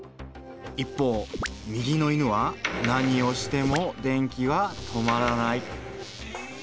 一方右の犬は何をしても電気は止まらない。